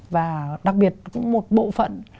và đặc biệt một bộ phận